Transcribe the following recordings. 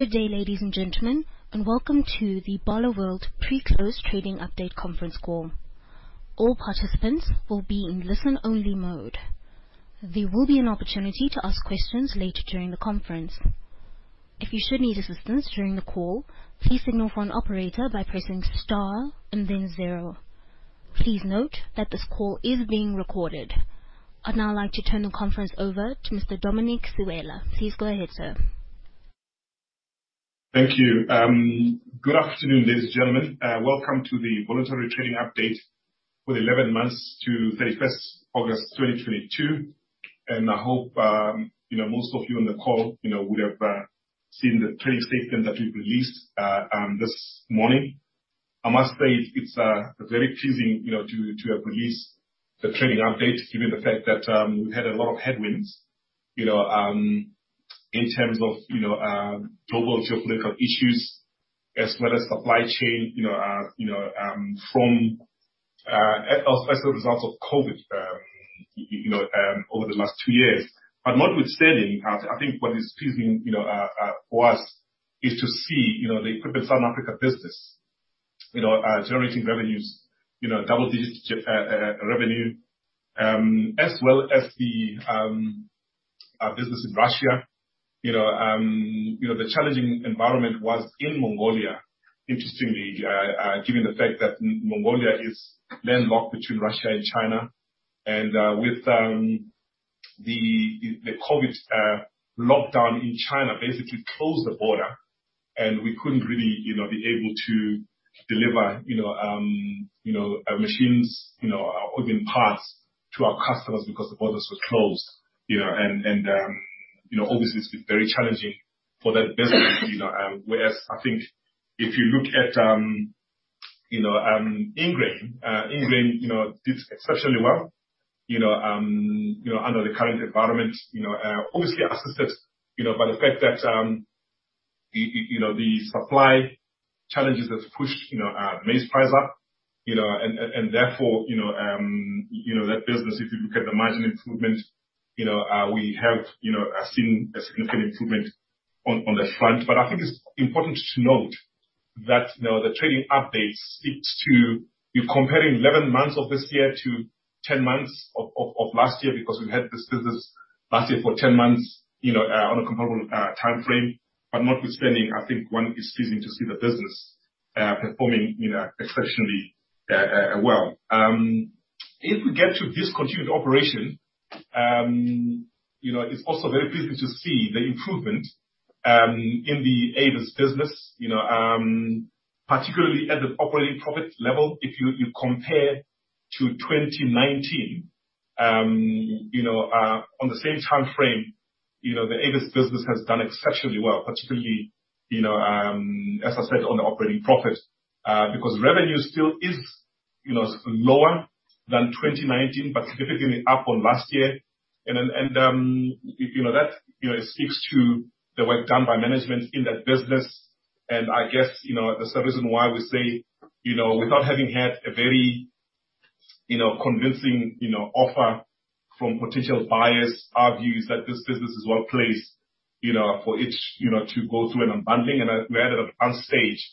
Good day, ladies and gentlemen, and welcome to the Barloworld pre-close trading update conference call. All participants will be in listen-only mode. There will be an opportunity to ask questions later during the conference. If you should need assistance during the call, please signal for an operator by pressing star and then zero. Please note that this call is being recorded. I'd now like to turn the conference over to Mr. Dominic Sewela. Please go ahead, sir. Thank you. Good afternoon, ladies and gentlemen. Welcome to the voluntary trading update for the 11 months to August 31st, 2022. I hope you know, most of you on the call, you know, would have seen the trading statement that we released this morning. I must say it's very pleasing, you know, to have released the trading update given the fact that we've had a lot of headwinds, you know, in terms of global geopolitical issues as well as supply chain from the results of COVID, you know, over the last two years. Notwithstanding, I think what is pleasing, you know, for us is to see, you know, the Equipment Southern Africa business, you know, generating revenues, you know, double digits revenue as well as the business in Russia. You know, the challenging environment was in Mongolia, interestingly, given the fact that Mongolia is landlocked between Russia and China. With the COVID lockdown in China basically closed the border and we couldn't really, you know, be able to deliver, you know, machines, you know, or even parts to our customers because the borders were closed, you know. Obviously it's been very challenging for that business, you know. Whereas I think if you look at Ingrain. Ingrain, you know, did especially well, you know, under the current environment, you know. Obviously assisted, you know, by the fact that you know, the supply challenges has pushed, you know, maize price up, you know. And therefore, you know, that business, if you look at the margin improvement, you know, we have, you know, seen a significant improvement on that front. I think it's important to note that, you know, the trading updates speaks to you're comparing 11 months of this year to 10 months of last year because we had this business last year for 10 months, you know, on a comparable timeframe. Notwithstanding, I think one is pleasing to see the business performing, you know, exceptionally well. If we get to discontinued operation, you know, it's also very pleasing to see the improvement in the Avis business. You know, particularly at the operating profit level. If you compare to 2019, you know, on the same timeframe, you know, the Avis business has done exceptionally well, particularly, you know, as I said, on the operating profit. Because revenue still is, you know, lower than 2019, but significantly up on last year. You know, that speaks to the work done by management in that business. I guess, you know, that's the reason why we say, you know, without having had a very, you know, convincing, you know, offer from potential buyers, our view is that this business is well-placed, you know, for it, you know, to go through an unbundling. We are at an advanced stage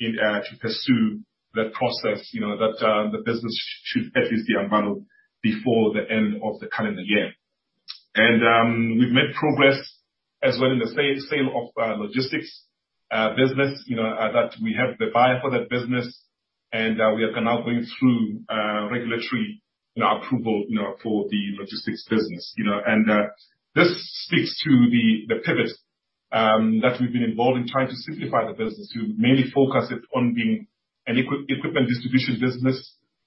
in to pursue that process, you know, that the business should definitely be unbundled before the end of the calendar year. We've made progress as well in the sale of our logistics business. You know that we have the buyer for that business, and we are now going through regulatory you know approval you know for the logistics business, you know. This speaks to the pivot that we've been involved in trying to simplify the business to mainly focus it on being an equipment distribution business,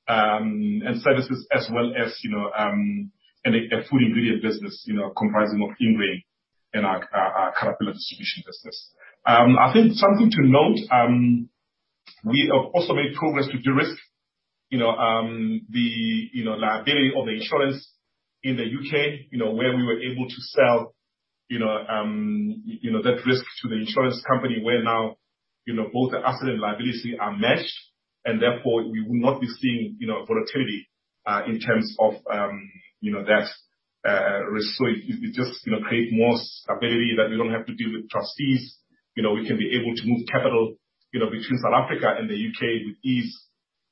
and services as well as, you know, a food ingredient business, you know, comprising of Ingrain and our Caterpillar distribution business. I think something to note, we have also made progress with de-risk. You know, the liability of the insurance in the U.K., you know, where we were able to sell, you know, that risk to the insurance company where now, you know, both the asset and liability are matched, and therefore we will not be seeing, you know, volatility in terms of, you know, that risk. It just, you know, create more stability that we don't have to deal with trustees. You know, we can be able to move capital, you know, between South Africa and the U.K. with ease.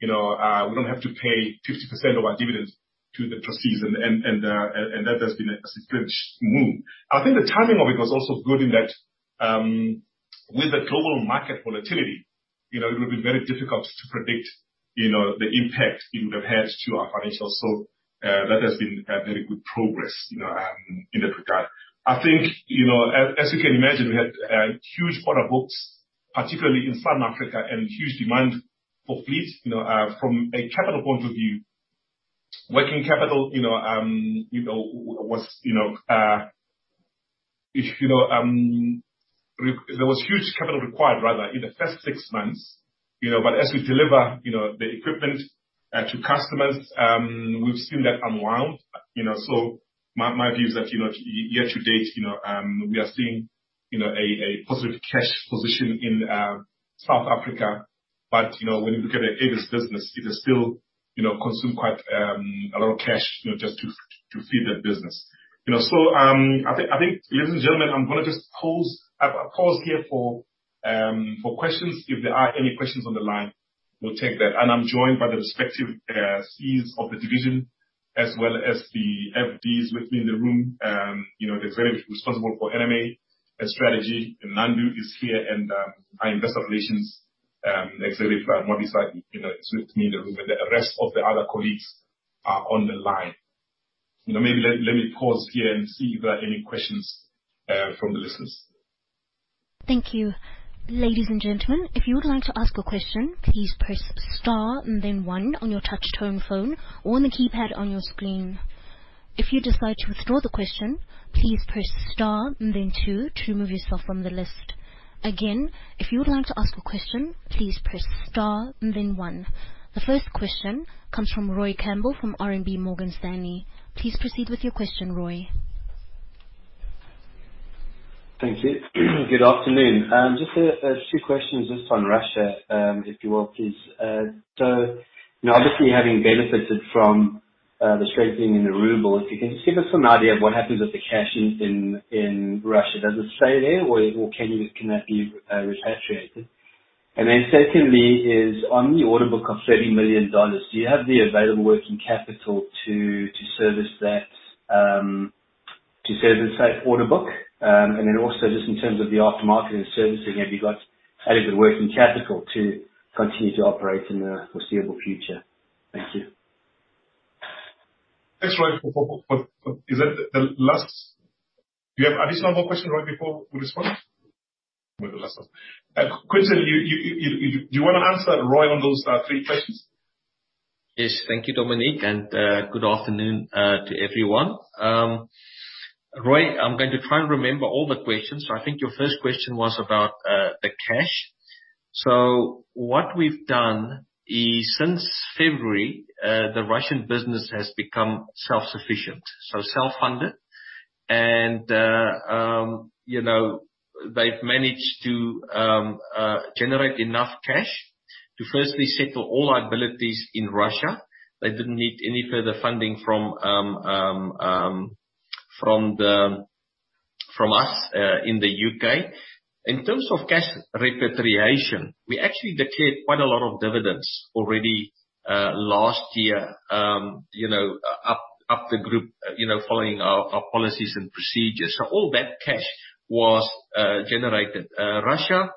You know, we don't have to pay 50% of our dividends to the trustees and that has been a significant move. I think the timing of it was also good in that, with the global market volatility, you know, it would have been very difficult to predict, you know, the impact it would have had to our financials. That has been a very good progress, you know, in that regard. I think, you know, as you can imagine, we had a huge order books, particularly in South Africa, and huge demand for fleet, you know. From a capital point of view, working capital, you know. There was huge capital required rather in the first six months, you know. As we deliver, you know, the equipment to customers, we've seen that unwind. You know, my view is that, you know, year to date, you know, we are seeing, you know, a positive cash position in South Africa. You know, when you look at Avis business, it is still, you know, consume quite a lot of cash, you know, just to feed that business. You know, I think, ladies and gentlemen, I'm gonna just pause here for questions. If there are any questions on the line, we'll take that. I'm joined by the respective CEs of the division as well as the MDs with me in the room. You know, they're very responsible for M&A strategy. Nandu is here, and our investor relations executive, Morisi, you know, is with me in the room. The rest of the other colleagues are on the line. You know, maybe let me pause here and see if there are any questions from the listeners. Thank you. Ladies and gentlemen, if you would like to ask a question, please press star and then one on your touchtone phone or on the keypad on your screen. If you decide to withdraw the question, please press star and then two to remove yourself from the list. Again, if you would like to ask a question, please press star and then one. The first question comes from Roy Campbell from RMB Morgan Stanley. Please proceed with your question, Roy. Thank you. Good afternoon. Just two questions just on Russia, if you will, please. So, you know, obviously you having benefited from the strengthening in the ruble, if you can just give us an idea of what happens with the cash in Russia. Does it stay there or can that be repatriated? Then secondly is, on the order book of $30 million, do you have the available working capital to service that order book? And then also just in terms of the aftermarket and servicing, have you got adequate working capital to continue to operate in the foreseeable future? Thank you. Thanks, Roy. Is that the last? Do you have additional question, Roy, before we respond? Or the last one. Quinton, do you wanna answer Roy on those three questions? Yes. Thank you, Dominic, and good afternoon to everyone. Roy, I'm going to try and remember all the questions. I think your first question was about the cash. What we've done is since February the Russian business has become self-sufficient, so self-funded. You know, they've managed to generate enough cash to firstly settle all liabilities in Russia. They didn't need any further funding from us in the U.K. In terms of cash repatriation, we actually declared quite a lot of dividends already last year, you know, up the group, you know, following our policies and procedures. All that cash was generated. Russia,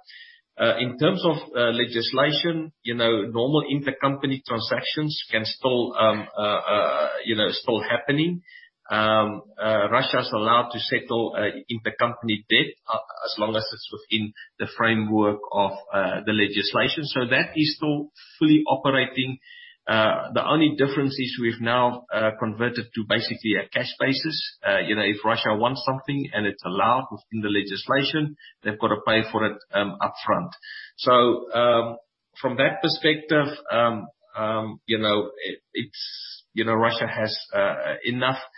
in terms of legislation, you know, normal intercompany transactions can still, you know, happen. Russia's allowed to settle intercompany debt as long as it's within the framework of the legislation. That is still fully operating. The only difference is we've now converted to basically a cash basis. You know, if Russia wants something and it's allowed within the legislation, they've gotta pay for it upfront. From that perspective, you know, it's, you know, Russia has enough funds,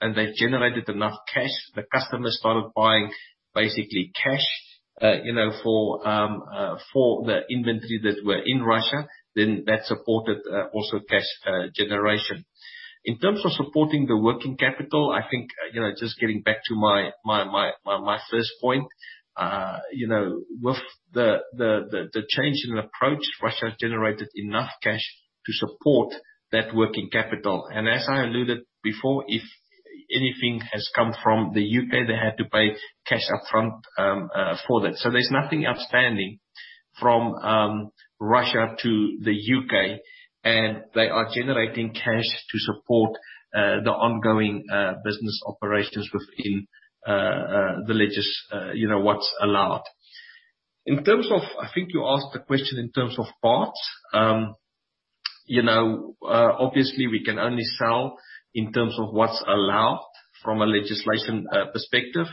and they've generated enough cash. The customers started buying basically cash, you know, for the inventory that were in Russia. That supported also cash generation. In terms of supporting the working capital, I think, you know, just getting back to my first point, you know, with the change in approach, Russia has generated enough cash to support that working capital. As I alluded before, if anything has come from the U.K., they had to pay cash upfront for that. There's nothing outstanding from Russia to the U.K., and they are generating cash to support the ongoing business operations within what's allowed. In terms of, I think you asked the question in terms of parts. You know, obviously we can only sell in terms of what's allowed from a legislation perspective.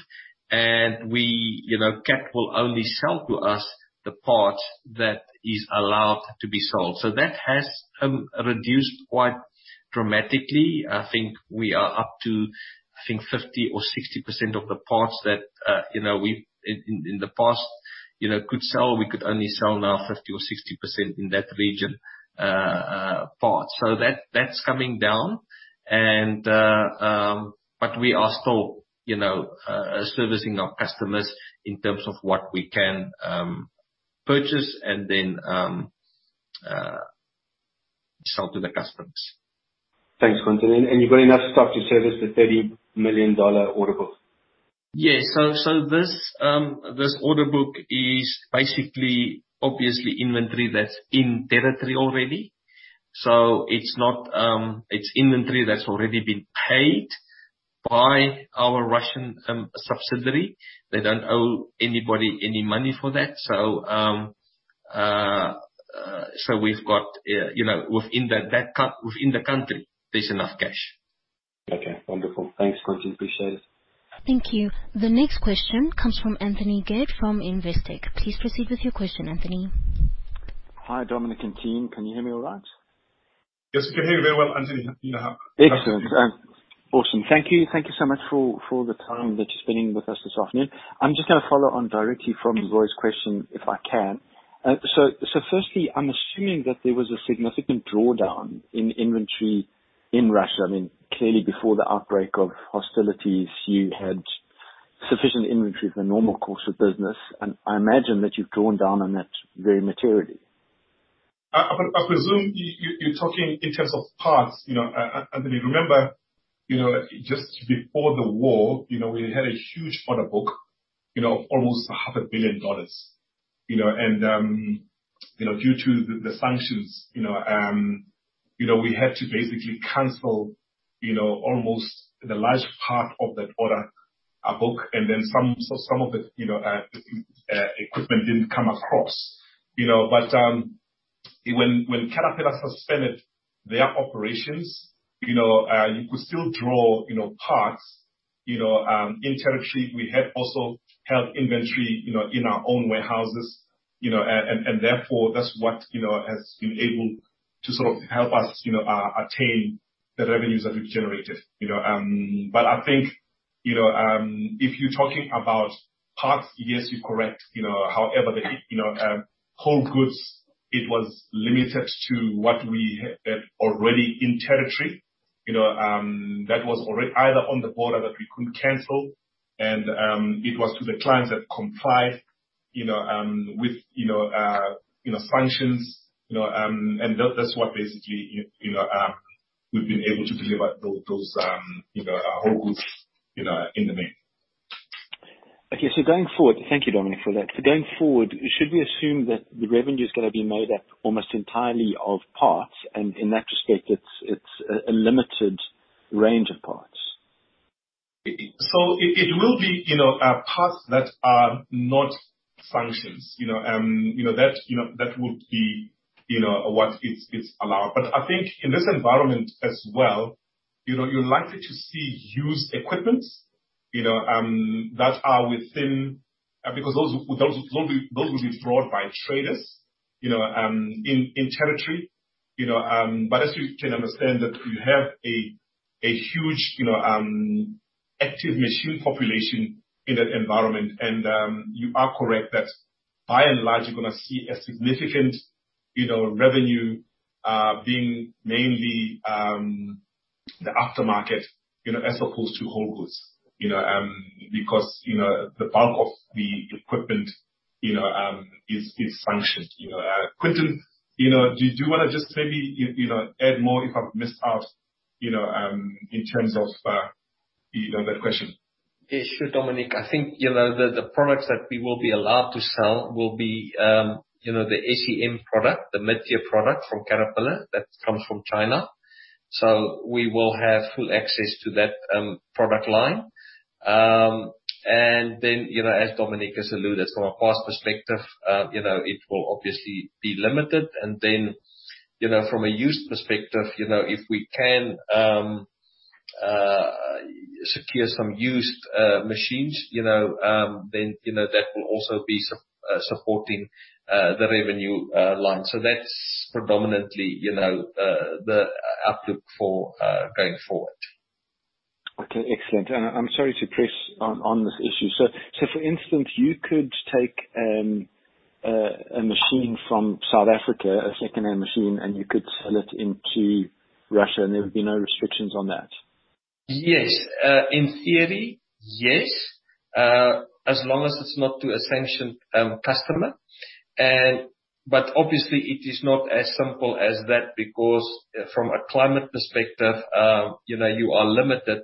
We, you know, Cat will only sell to us the part that is allowed to be sold. That has reduced quite dramatically. I think we are up to, I think 50 or 60% of the parts that, you know, we've in the past, you know, could sell. We could only sell now 50 or 60% in that region, parts. That’s coming down, but we are still, you know, servicing our customers in terms of what we can purchase and then sell to the customers. Thanks, Quinton. You've got enough stock to service the $30 million order book? Yes. This order book is basically obviously inventory that's in territory already. It's not inventory that's already been paid by our Russian subsidiary. They don't owe anybody any money for that. We've got, you know, within that country, there's enough cash. Okay. Wonderful. Thanks, Quinton. Appreciate it. Thank you. The next question comes from Anthony Geard from Investec. Please proceed with your question, Anthony. Hi, Dominic and team. Can you hear me all right? Yes, we can hear you very well, Anthony. You know, Excellent. Awesome. Thank you. Thank you so much for the time that you're spending with us this afternoon. I'm just gonna follow on directly from Roy's question, if I can. So firstly, I'm assuming that there was a significant drawdown in inventory in Russia. I mean, clearly before the outbreak of hostilities, you had sufficient inventory for the normal course of business. I imagine that you've drawn down on that very materially. I presume you're talking in terms of parts, you know. Anthony, remember, you know, just before the war, you know, we had a huge order book, you know, almost $500,000 you know. Due to the sanctions, you know, we had to basically cancel, you know, almost the large part of that order book. Some of the equipment didn't come across, you know. When Caterpillar suspended their operations, you know, you could still draw parts, you know, in territory. We had also held inventory, you know, in our own warehouses, you know, and therefore, that's what, you know, has been able to sort of help us, you know, attain the revenues that we've generated, you know. I think, you know, if you're talking about parts, yes, you're correct. You know, however, the whole goods, it was limited to what we had already in territory. You know, that was already either on the border that we couldn't cancel and it was to the clients that complied, you know, with sanctions. You know, and that's what basically, you know, we've been able to deliver those whole goods, you know, in the main. Okay. Going forward, thank you, Dominic, for that. Going forward, should we assume that the revenue is gonna be made up almost entirely of parts, and in that respect, it's a limited range of parts? It will be, you know, parts that are not sanctioned. You know, you know, that would be, you know, what is allowed. I think in this environment as well, you know, you're likely to see used equipment, you know, that are within. Because those will be brought by traders, you know, in territory, you know. But as you can understand that we have a huge, you know, active machine population in that environment. You are correct that by and large, you're gonna see a significant, you know, revenue being mainly the aftermarket, you know, as opposed to whole goods. You know, because the bulk of the equipment, you know, is sanctioned. You know, Quinton, you know, do you wanna just maybe, you know, add more if I've missed out, you know, in terms of, you know, that question? Yeah, sure, Dominic. I think, you know, the products that we will be allowed to sell will be, you know, the SEM product, the mid-tier product from Caterpillar that comes from China. We will have full access to that product line. You know, as Dominic has alluded, from a cost perspective, you know, it will obviously be limited. From a used perspective, you know, if we can secure some used machines, you know, then, you know, that will also be supporting the revenue line. That's predominantly, you know, the outlook for going forward. Okay. Excellent. I'm sorry to press on this issue. For instance, you could take a machine from South Africa, a secondhand machine, and you could sell it into Russia, and there would be no restrictions on that? Yes. In theory, yes. As long as it's not to a sanctioned customer. But obviously it is not as simple as that because from a climate perspective, you know, you are limited.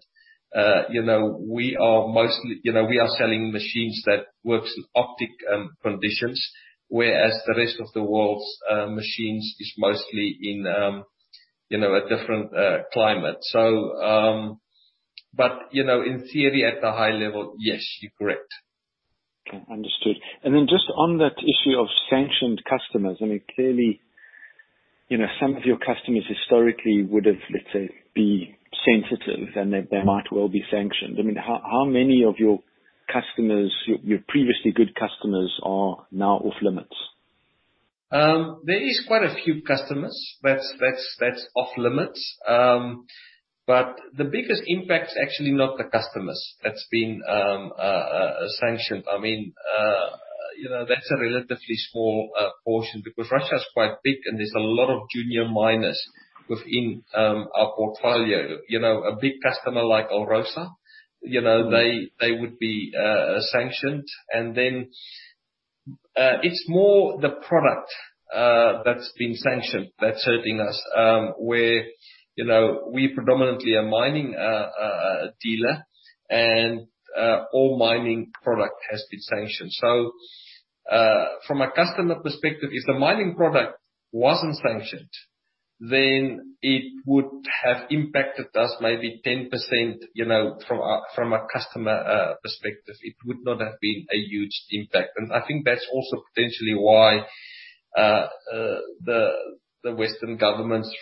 You know, we are mostly, you know, we are selling machines that works in arctic conditions, whereas the rest of the world's machines is mostly in, you know, a different climate. But you know, in theory, at the high level, yes, you're correct. Okay. Understood. Just on that issue of sanctioned customers, I mean, clearly, you know, some of your customers historically would have, let's say, been sensitive, and they might well be sanctioned. I mean, how many of your customers, your previously good customers are now off limits? There is quite a few customers that's off limits. The biggest impact is actually not the customers that's been sanctioned. I mean, you know, that's a relatively small portion because Russia is quite big and there's a lot of junior miners within our portfolio. You know, a big customer like Alrosa. Mm-hmm. They would be sanctioned. It's more the product that's been sanctioned that's hurting us, where, you know, we predominantly are a mining dealer and all mining product has been sanctioned. From a customer perspective, if the mining product wasn't sanctioned, then it would have impacted us maybe 10%, you know, from a customer perspective. It would not have been a huge impact. I think that's also potentially why the Western governments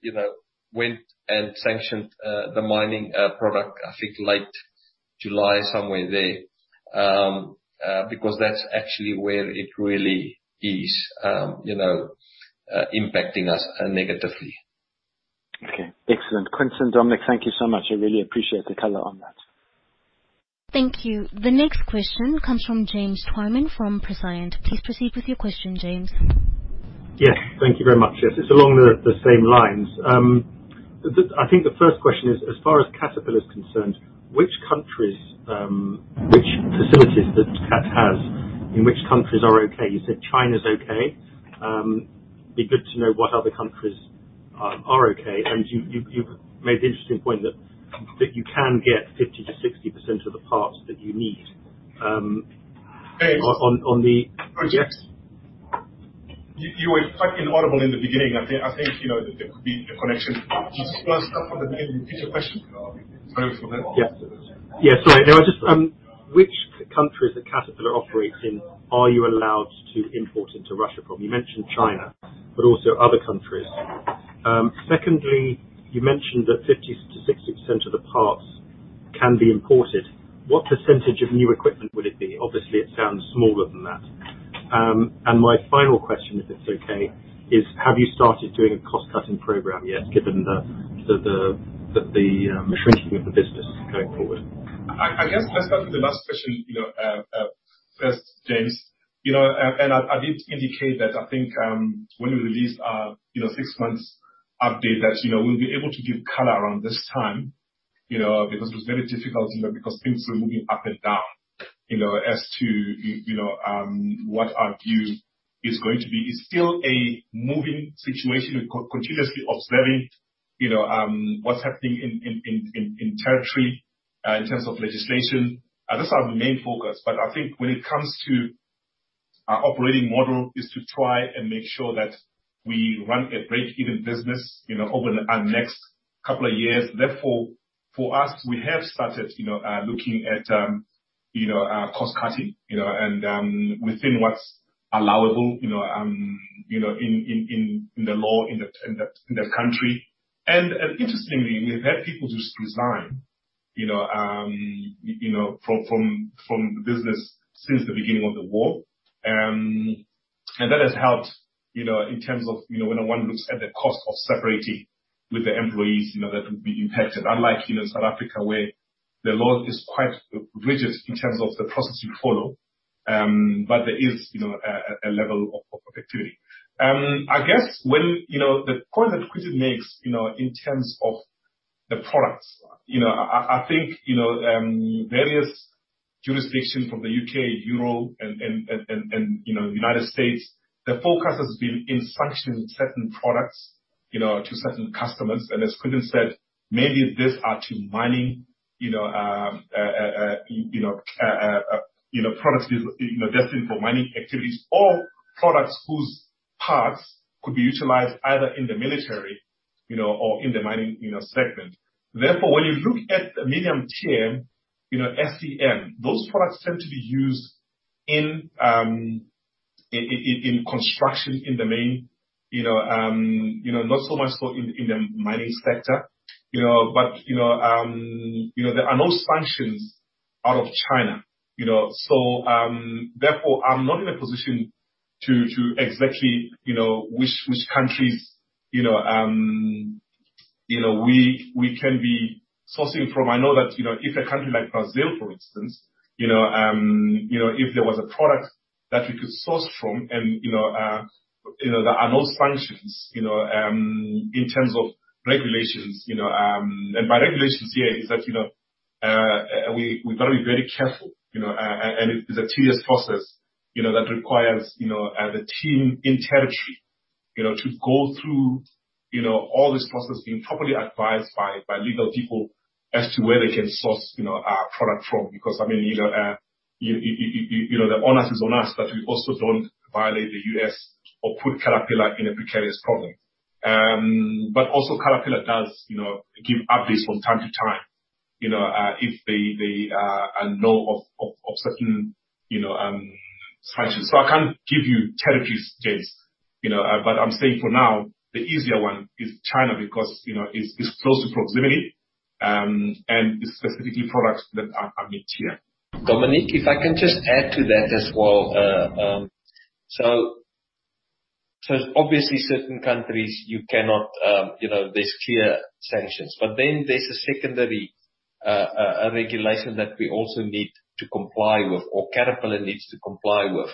You know, went and sanctioned the mining product, I think late July, somewhere there. Because that's actually where it really is, you know, impacting us negatively. Okay. Excellent. Quinton, Dominic, thank you so much. I really appreciate the color on that. Thank you. The next question comes from James Twyman from Prescient. Please proceed with your question, James. Yes. Thank you very much. Yes, it's along the same lines. I think the first question is, as far as Caterpillar is concerned, which countries, which facilities that Cat has, in which countries are okay? You said China's okay. It'd be good to know what other countries are okay. You made the interesting point that you can get 50%-60% of the parts that you need. On the James. Yes. You were quite inaudible in the beginning. I think you know that there could be a connection issue. Why don't you start from the beginning? Repeat your question. Yeah. Sorry. No, just, which countries that Caterpillar operates in are you allowed to import into Russia from? You mentioned China, but also other countries. Secondly, you mentioned that 50%-60% of the parts can be imported. What percentage of new equipment would it be? Obviously, it sounds smaller than that. My final question, if it's okay, is, have you started doing a cost-cutting program yet, given the shrinking of the business going forward? I guess let's start with the last question, you know, first, James. You know, and I did indicate that I think, when we released our, you know, six months update, that, you know, we'll be able to give color around this time, you know, because it was very difficult, you know, because things were moving up and down, you know, as to, you know what our view is going to be. It's still a moving situation. We're continuously observing, you know, what's happening in territory, in terms of legislation. That's our main focus. But I think when it comes to our operating model is to try and make sure that we run a break-even business, you know, over the next couple of years. Therefore, for us, we have started, you know, looking at, you know, cost cutting, you know, and within what's allowable, you know, you know, in the law in the country. Interestingly, we've had people just resign, you know, you know, from the business since the beginning of the war. That has helped, you know, in terms of, you know, when one looks at the cost of separating with the employees, you know, that would be impacted, unlike, you know, South Africa, where the law is quite rigid in terms of the process you follow. There is, you know, a level of activity. I guess, when you know, the point that Quinton makes, you know, in terms of the products, you know, I think, you know, various jurisdictions from the U.K., Europe and, you know, United States, the focus has been in sanctioning certain products, you know, to certain customers. As Quinton said, maybe these are to mining, you know, products destined for mining activities or products whose parts could be utilized either in the military, you know, or in the mining, you know, segment. Therefore, when you look at the medium term, you know, SCM, those products tend to be used in construction in the main, you know, not so much in the mining sector. You know, you know, there are no sanctions out of China, you know. Therefore, I'm not in a position to exactly, you know, which countries, you know, you know, we can be sourcing from. I know that, you know, if a country like Brazil, for instance, you know, you know, if there was a product that we could source from and, you know, you know, there are no sanctions, you know, in terms of regulations, you know. The regulations here is that, you know, we've got to be very careful, you know, and it is a tedious process, you know, that requires, you know, the team in territory, you know, to go through, you know, all this process, being properly advised by legal people as to where they can source, you know, our product from. Because, I mean, you know, the onus is on us that we also don't violate the U.S. or put Caterpillar in a precarious problem. Caterpillar does, you know, give updates from time to time, you know, if they know of certain, you know, sanctions. I can't give you territory stages, you know, but I'm saying for now, the easier one is China because, you know, it's close in proximity, and the specific key products that are mid-tier. Dominic, if I can just add to that as well. Obviously certain countries you cannot, you know, there's clear sanctions. There's a secondary regulation that we also need to comply with or Caterpillar needs to comply with.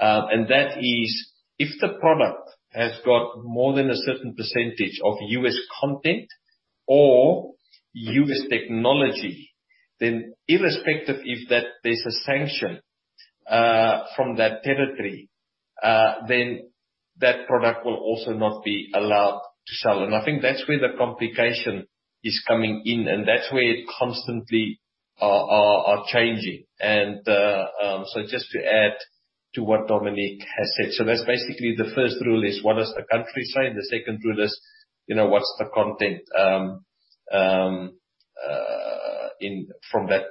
And that is, if the product has got more than a certain percentage of U.S. content or U.S. technology, then irrespective if that there's a sanction, from that territory, then that product will also not be allowed to sell. I think that's where the complication is coming in, and that's where it constantly are changing. just to add to what Dominic has said. That's basically the first rule is what does the country say? The second rule is, you know, what's the content from that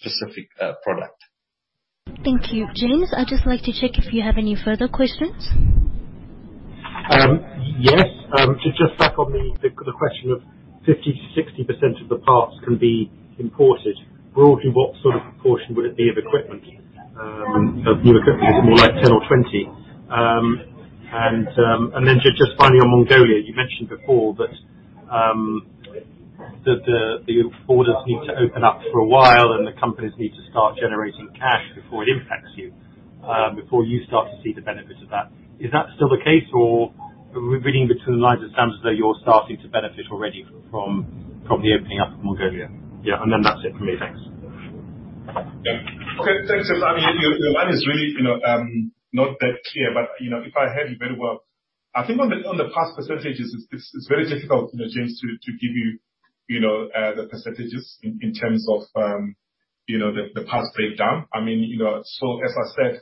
specific product Thank you. James, I'd just like to check if you have any further questions? Yes. To just back on the question of 50%-60% of the parts can be imported. Broadly, what sort of proportion would it be of equipment, of new equipment? Is it more like 10 or 20? And then just finally on Mongolia, you mentioned before that, the borders need to open up for a while, and the companies need to start generating cash before it impacts you, before you start to see the benefits of that. Is that still the case, or reading between the lines, it sounds as though you're starting to benefit already from the opening up of Mongolia. Yeah, that's it from me. Thanks. Yeah. Thanks, James. I mean, your line is really, you know, not that clear, but, you know, if I heard you very well, I think on the parts percentages, it's very difficult, you know, James, to give you know, the percentages in terms of, you know, the parts breakdown. I mean, you know, as I said,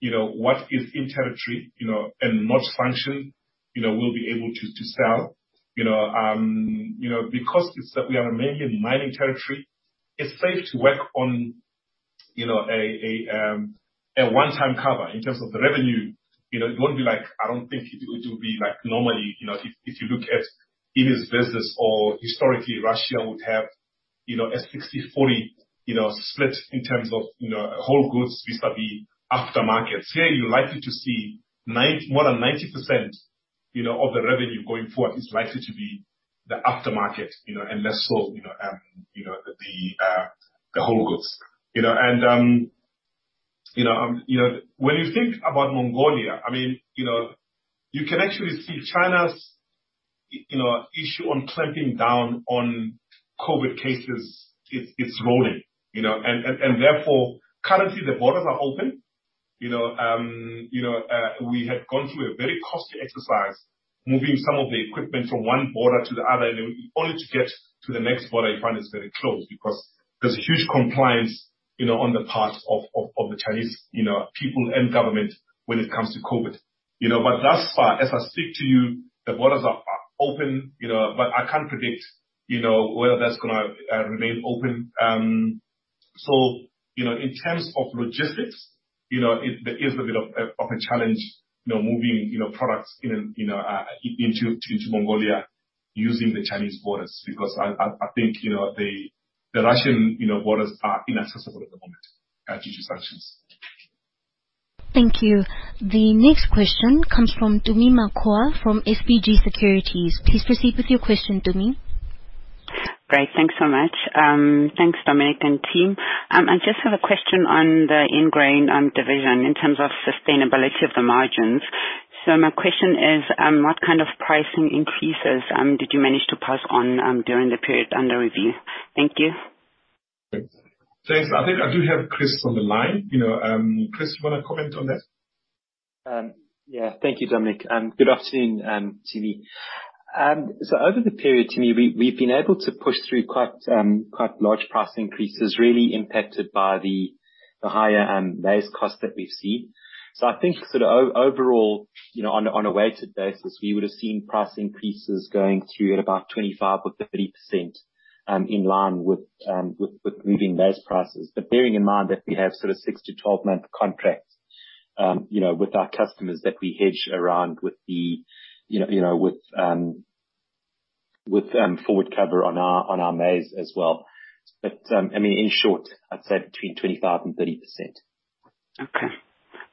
you know, what is in territory, you know, and what function, you know, we'll be able to sell. You know, because it's that we are mainly in mining territory, it's safe to work on, you know, a 100% cover in terms of the revenue. You know, it won't be like. I don't think it will be like normally, you know, if you look at Immy's business or historically Russia would have, you know, a 60/40, you know, split in terms of, you know, whole goods vis-à-vis after-market. Here you're likely to see more than 90%, you know, of the revenue going forward is likely to be the after-market, you know, and less so, you know, when you think about Mongolia, I mean, you know, you can actually see China's you know, issue on clamping down on COVID cases, it's rolling. You know, therefore, currently the borders are open. You know, we had gone through a very costly exercise moving some of the equipment from one border to the other, and then only to get to the next border, you find it's very closed because there's huge compliance, you know, on the part of the Chinese, you know, people and government when it comes to COVID. You know, thus far, as I speak to you, the borders are open, you know. I can't predict, you know, whether that's gonna remain open. You know, in terms of logistics, you know, it, there is a bit of a challenge, you know, moving, you know, products, you know, into Mongolia using the Chinese borders. Because I think, you know, the Russian, you know, borders are inaccessible at the moment due to sanctions. Thank you. The next question comes from Tumi Makoa from SBG Securities. Please proceed with your question, Tumi. Great. Thanks so much. Thanks, Dominic and team. I just have a question on the Ingrain division in terms of sustainability of the margins. My question is, what kind of pricing increases did you manage to pass on during the period under review? Thank you. Thanks. I think I do have Chris on the line. You know, Chris, you wanna comment on that? Yeah. Thank you, Dominic, and good afternoon, Tumi. Over the period, Tumi, we've been able to push through quite large price increases really impacted by the higher maize costs that we've seen. I think overall, you know, on a weighted basis, we would've seen price increases going through at about 25%-30%, in line with moving maize prices. Bearing in mind that we have sort of 6-12 month contracts, you know, with our customers that we hedge around with forward cover on our maize as well. I mean, in short, I'd say between 25% and 30%. Okay.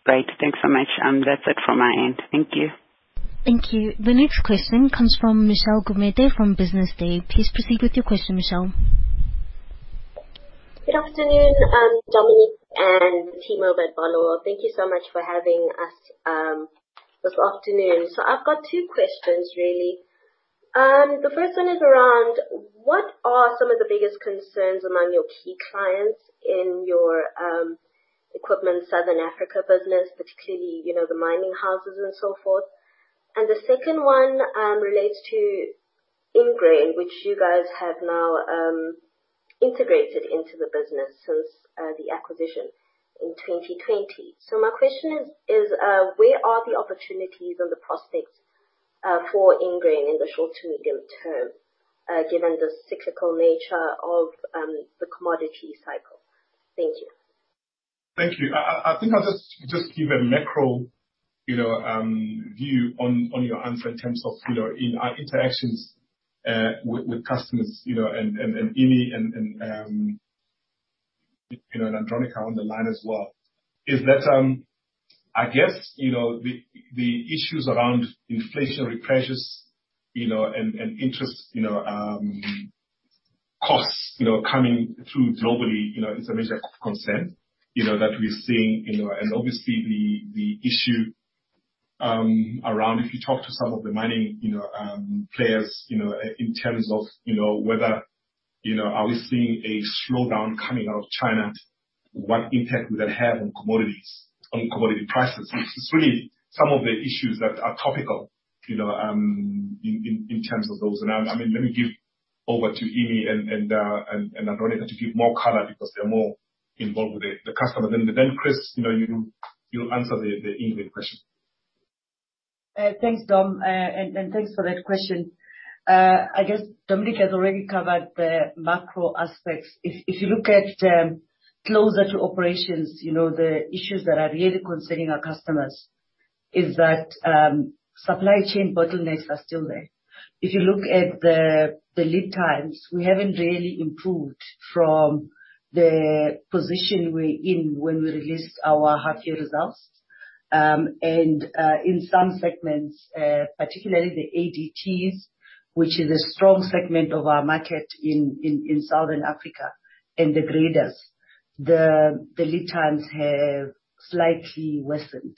Great. Thanks so much. That's it from my end. Thank you. Thank you. The next question comes from Michelle Gumede from Business Day. Please proceed with your question, Michelle. Good afternoon, Dominic and team at Barloworld. Thank you so much for having us, this afternoon. I've got two questions really. The first one is around what are some of the biggest concerns among your key clients in your, Equipment Southern Africa business, particularly, you know, the mining houses and so forth? And the second one, relates to Ingrain, which you guys have now, integrated into the business since, the acquisition in 2020. My question is, where are the opportunities and the prospects, for Ingrain in the short to medium term, given the cyclical nature of, the commodity cycle? Thank you. Thank you. I think I'll just give a macro view on your answer in terms of interactions with customers, you know, and Emmy and you know, and Andronicca on the line as well, is that I guess you know, the issues around inflationary pressures, you know, and interest costs, you know, coming through globally, you know, is a major concern, you know, that we're seeing. You know, obviously the issue around if you talk to some of the mining players, you know, in terms of whether you know, are we seeing a slowdown coming out of China? What impact would that have on commodities, on commodity prices? Which is really some of the issues that are topical, you know, in terms of those. I mean, let me give over to Emmy and Andronicca to give more color because they're more involved with the customer. Chris, you know, you'll answer the Ingrain question. Thanks, Dom. Thanks for that question. I guess Dominic has already covered the macro aspects. If you look at closer to operations, you know, the issues that are really concerning our customers is that supply chain bottlenecks are still there. If you look at the lead times, we haven't really improved from the position we're in when we released our half year results. In some segments, particularly the ADTs, which is a strong segment of our market in Southern Africa, and the graders, the lead times have slightly worsened.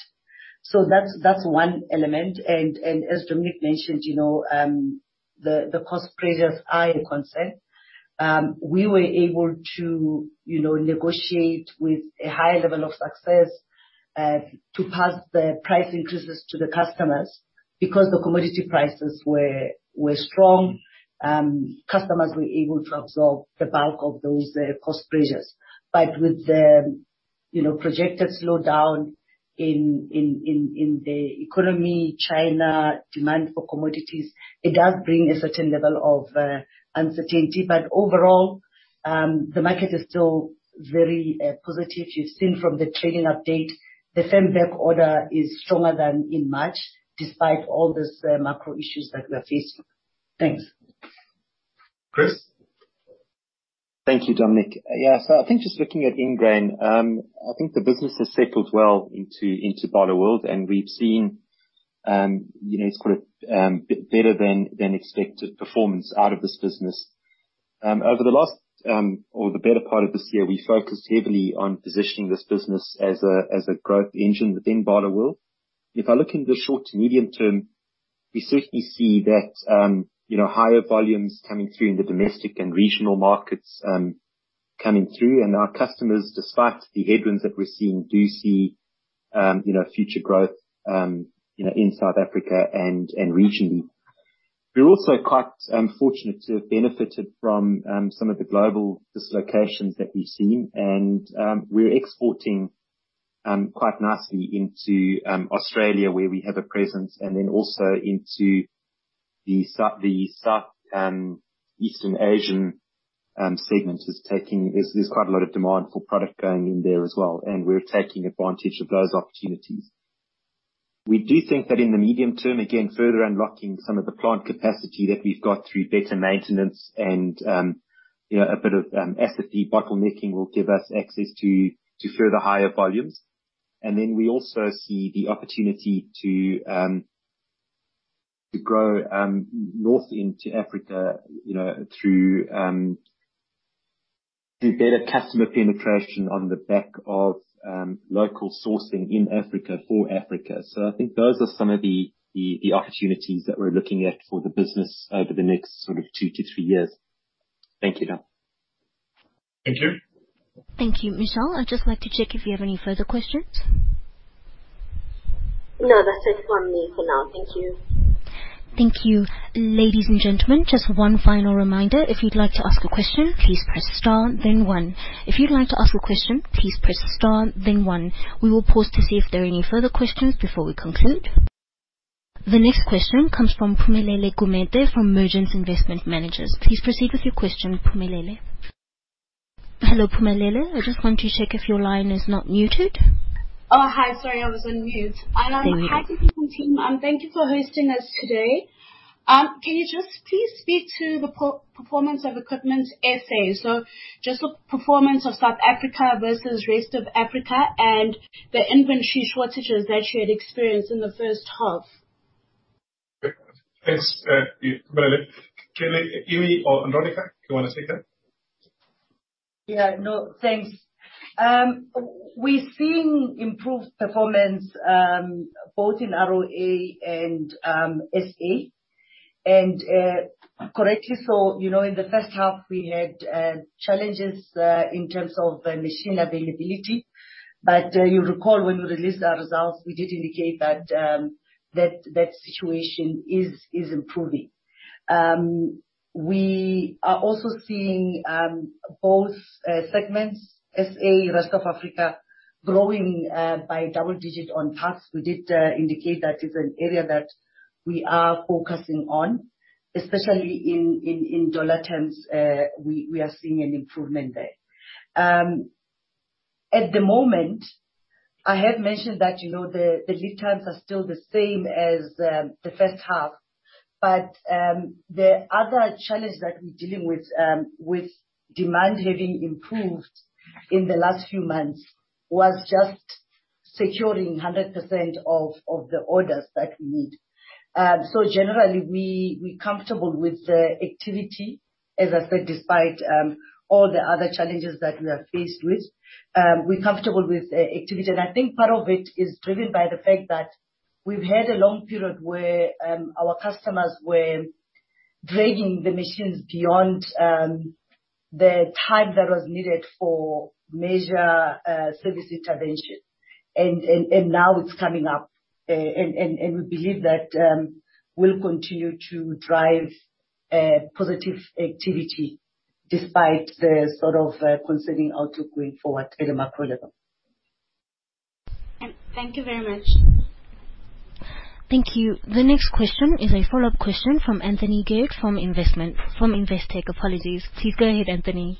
That's one element. As Dominic mentioned, you know, the cost pressures are a concern. We were able to, you know, negotiate with a higher level of success to pass the price increases to the customers. Because the commodity prices were strong, customers were able to absorb the bulk of those cost pressures. With the, you know, projected slowdown in the economy in China, demand for commodities, it does bring a certain level of uncertainty. Overall, the market is still very positive. You've seen from the trading update, the order backlog is stronger than in March, despite all this macro issues that we are facing. Thanks. Chris? Thank you, Dominic. Yeah. I think just looking at Ingrain, I think the business has settled well into Barloworld, and we've seen you know, sort of, better than expected performance out of this business. Over the better part of this year, we focused heavily on positioning this business as a growth engine within Barloworld. If I look in the short to medium term, we certainly see that you know, higher volumes coming through in the domestic and regional markets. Our customers, despite the headwinds that we're seeing, do see you know, future growth you know, in South Africa and regionally. We're also quite fortunate to have benefited from some of the global dislocations that we've seen. We're exporting quite nicely into Australia, where we have a presence, and then also into the South and Eastern Asian segments. There's quite a lot of demand for product going in there as well, and we're taking advantage of those opportunities. We do think that in the medium term, again, further unlocking some of the plant capacity that we've got through better maintenance and, you know, a bit of asset bottlenecking will give us access to further higher volumes. We also see the opportunity to grow north into Africa, you know, through better customer penetration on the back of local sourcing in Africa for Africa. I think those are some of the opportunities that we're looking at for the business over the next sort of 2-3 years. Thank you, Dom. Thank you. Thank you. Michelle, I'd just like to check if you have any further questions? No, that's it from me for now. Thank you. Thank you. Ladies and gentlemen, just one final reminder. If you'd like to ask a question, please press star then one. If you'd like to ask a question, please press star then one. We will pause to see if there are any further questions before we conclude. The next question comes from Phumelele Mapekula from Mergence Investment Managers. Please proceed with your question, Phumelele. Hello, Phumelele. I just want to check if your line is not muted. Oh, hi. Sorry, I was on mute. There we go. Hi. Hi, team. Thank you for hosting us today. Can you just please speak to the performance of Equipment Southern Africa? Just the performance of South Africa versus Rest of Africa, and the inventory shortages that you had experienced in the first half. Thanks, Phumelele. Kimberly, Amy, or Andronicca, do you wanna take that? Yeah. No, thanks. We're seeing improved performance both in ROA and SA. Correctly so, you know, in the first half we had challenges in terms of machine availability. You'll recall when we released our results, we did indicate that that situation is improving. We are also seeing both segments, SA, rest of Africa, growing by double digit on parts. We did indicate that it's an area that we are focusing on, especially in dollar terms, we are seeing an improvement there. At the moment, I have mentioned that, you know, the lead times are still the same as the first half. The other challenge that we're dealing with demand having improved in the last few months, was just securing 100% of the orders that we need. Generally we're comfortable with the activity. As I said, despite all the other challenges that we are faced with, we're comfortable with activity. I think part of it is driven by the fact that we've had a long period where our customers were dragging the machines beyond the time that was needed for major service intervention. Now it's coming up. We believe that we'll continue to drive positive activity. Despite the sort of considering outlook going forward at a macro level. Thank you very much. Thank you. The next question is a follow-up question from Anthony Geard from Investec, apologies. Please go ahead, Anthony.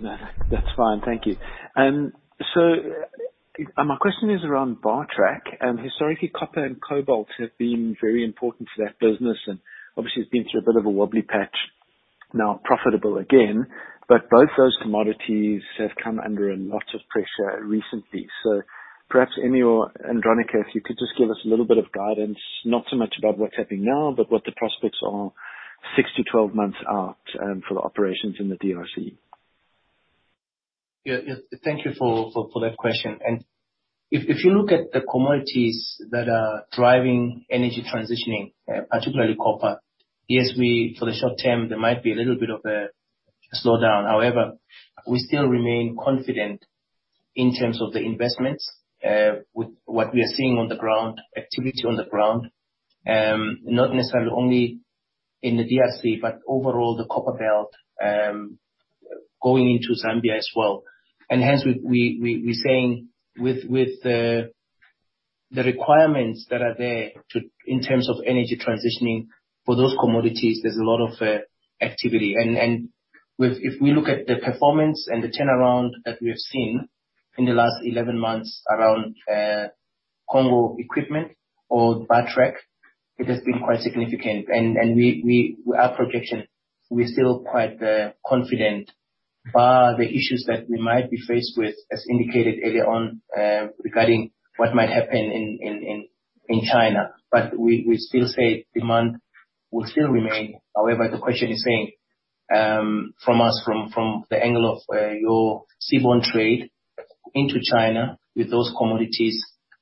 No, that's fine. Thank you. My question is around Bartrac. Historically, copper and cobalt have been very important to that business, and obviously it's been through a bit of a wobbly patch. Now profitable again. Both those commodities have come under a lot of pressure recently. Perhaps Emmy or Andronicca, you could just give us a little bit of guidance, not so much about what's happening now, but what the prospects are 6-12 months out, for the operations in the DRC. Thank you for that question. If you look at the commodities that are driving energy transitioning, particularly copper, yes, for the short term, there might be a little bit of a slowdown. However, we still remain confident in terms of the investments, with what we are seeing on the ground, activity on the ground. Not necessarily only in the DRC, but overall, the Copperbelt, going into Zambia as well. Hence we're saying with the requirements that are there in terms of energy transitioning for those commodities, there's a lot of activity. If we look at the performance and the turnaround that we have seen in the last 11 months around Bartrac Equipment or Bartrac, it has been quite significant. We our projection, we're still quite confident bar the issues that we might be faced with, as indicated earlier on, regarding what might happen in China. We still say demand will still remain. However, the question is saying from us from the angle of your seaborne trade into China with those commodities,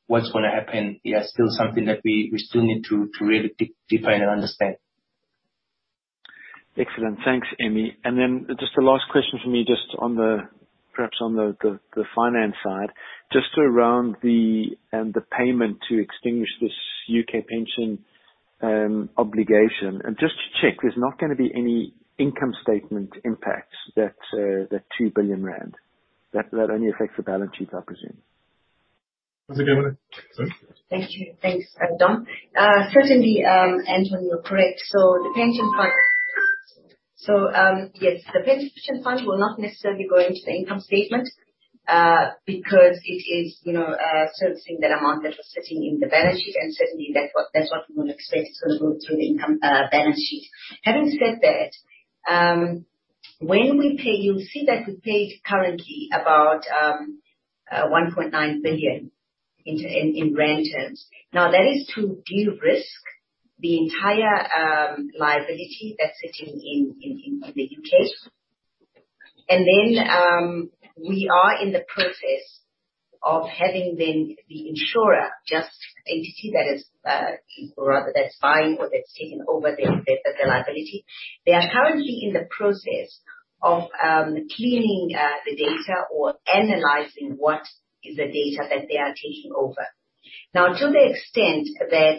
what's gonna happen? Yeah, still something that we still need to really dig deeper and understand. Excellent. Thanks, Emmy. Just a last question from me, just on the finance side, just around the payment to extinguish this U.K. pension obligation. Just to check, there's not gonna be any income statement impacts, that 2 billion rand. That only affects the balance sheet, I presume. That's a good one. Thank you. Thanks, Dom. Certainly, Anthony, you are correct. Yes, the pension fund will not necessarily go into the income statement, because it is, you know, servicing that amount that was sitting in the balance sheet. Certainly that's what we will expect to move through the income balance sheet. Having said that, when we pay, you'll see that we paid currently about 1.9 billion in rand terms. Now, that is to de-risk the entire liability that's sitting in the U.K. Then, we are in the process of having the insurer trust entity that is, or rather that's buying or that's taking over the liability. They are currently in the process of cleaning the data or analyzing what is the data that they are taking over. Now, to the extent that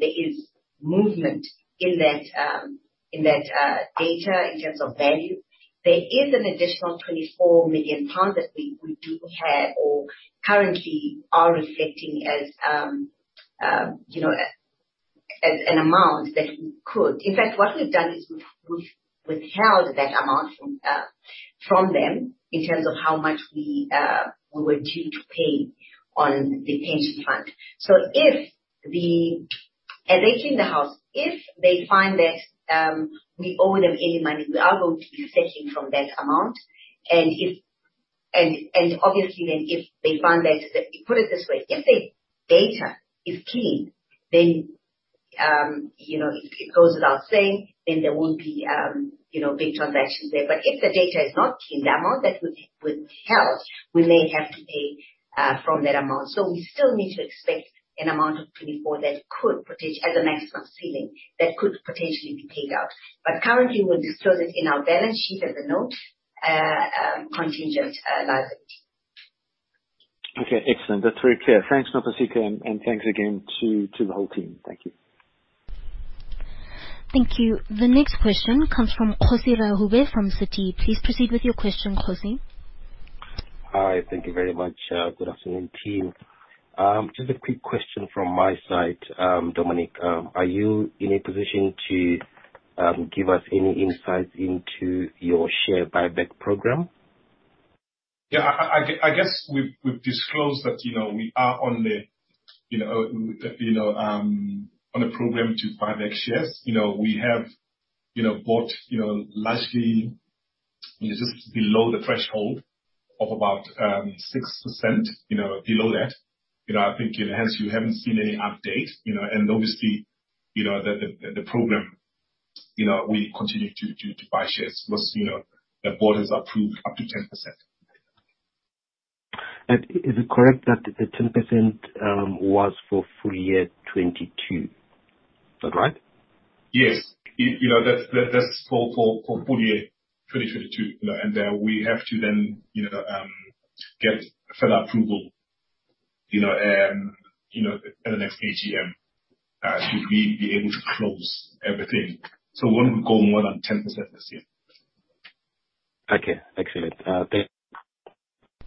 there is movement in that data in terms of value, there is an additional 24 million pounds that we do have or currently are reflecting as, you know, as an amount that we could. In fact, what we've done is we've withheld that amount from them in terms of how much we were due to pay on the pension fund. As they clean the house, if they find that we owe them any money, we are going to be fetching from that amount. If they find that, put it this way, if the data is clean, you know, it goes without saying, then there won't be big transactions there. If the data is not clean, the amount that we've withheld, we may have to pay from that amount. We still need to expect an amount of 24 million that could, as a maximum ceiling, potentially be paid out. Currently we'll disclose it in our balance sheet as a note, contingent liability. Okay. Excellent. That's very clear. Thanks, Mapaseka, and thanks again to the whole team. Thank you. Thank you. The next question comes from Khosi Rahube from Citi. Please proceed with your question, Khosi. Hi. Thank you very much. Good afternoon, team. Just a quick question from my side, Dominic. Are you in a position to give us any insights into your share buyback program? Yeah. I guess we've disclosed that, you know, we are on the, you know, on a program to buy back shares. You know, we have bought, you know, largely just below the threshold of about 6%, you know, below that. You know, I think hence you haven't seen any update, you know, and obviously, you know, the program, you know, we continue to buy shares once, you know, the board has approved up to 10%. Is it correct that the 10% was for full year 2022? Is that right? Yes. You know, that's for full year 2022. You know, we have to then get further approval. You know, at the next AGM, should we be able to close everything. We wouldn't go more than 10% this year. Okay. Excellent.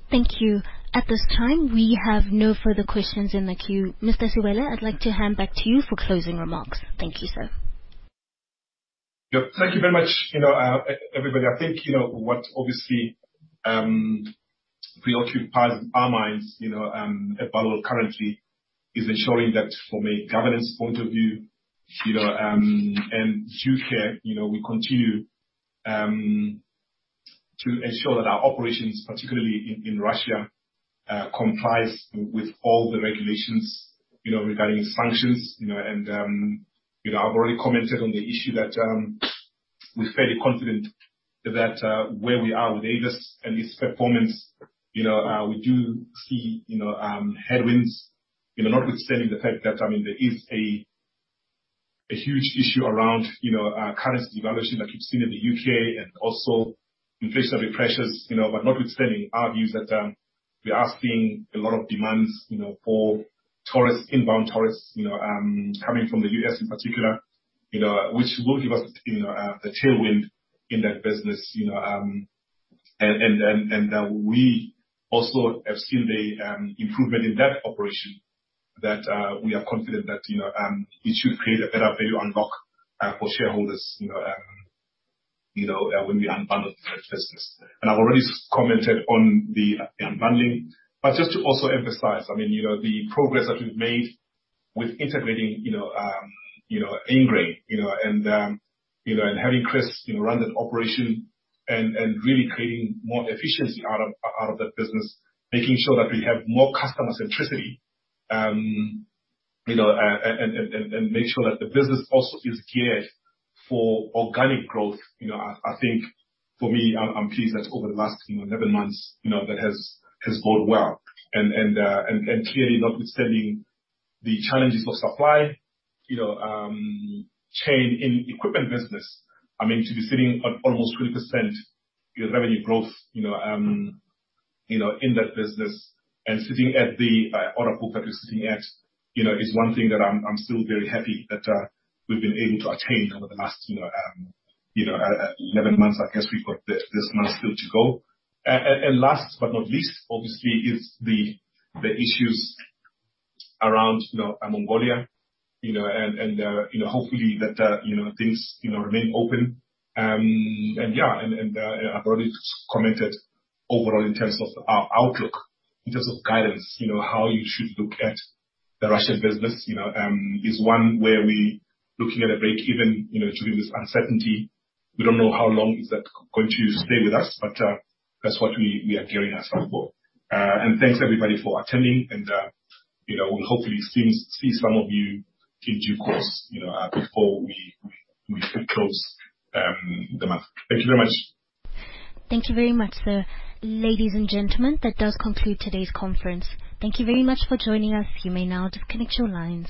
Thank you. At this time, we have no further questions in the queue. Mr. Sewela, I'd like to hand back to you for closing remarks. Thank you, sir. Yeah. Thank you very much, you know, everybody. I think, you know, what obviously preoccupies our minds, you know, at Barloworld currently, is ensuring that from a governance point of view, you know, and due care, you know, we continue to ensure that our operations, particularly in Russia, complies with all the regulations, you know, regarding sanctions, you know. I've already commented on the issue that, we're fairly confident that, where we are with Avis and its performance, you know, we do see, you know, headwinds, you know, notwithstanding the fact that, I mean, there is a huge issue around, you know, currency devaluation like we've seen in the U.K. and also inflationary pressures. You know, notwithstanding our views that we are seeing a lot of demands, you know, for tourists, inbound tourists, you know, coming from the U.S. in particular, you know, which will give us, you know, a tailwind in that business, you know. We also have seen an improvement in that operation that we are confident that, you know, it should create a better value unlock for shareholders, you know, you know, when we unbundle that business. I've already commented on the unbundling. just to also emphasize, I mean, you know, the progress that we've made with integrating, you know, Ingrain, you know, and having Chris, you know, run that operation and really creating more efficiency out of that business, making sure that we have more customer centricity. You know, and make sure that the business also is geared for organic growth. You know, I think for me, I'm pleased that over the last 11 months, you know, that has gone well. Clearly notwithstanding the challenges for supply chain in equipment business. I mean, to be sitting at almost 20%, you know, revenue growth, you know, in that business and sitting at the order book that we're sitting at, you know, is one thing that I'm still very happy that we've been able to attain over the last eleven months. I guess we've got this month still to go. Last but not least, obviously, is the issues around Mongolia, you know, and hopefully things remain open. Yeah. I've already commented overall in terms of our outlook, in terms of guidance, you know, how you should look at the Russian business, you know, is one where we looking at a break even during this uncertainty. We don't know how long is that going to stay with us, but that's what we are gearing ourselves for. Thanks everybody for attending and, you know, we'll hopefully see some of you in due course, you know, before we close the month. Thank you very much. Thank you very much, sir. Ladies and gentlemen, that does conclude today's conference. Thank you very much for joining us. You may now disconnect your lines.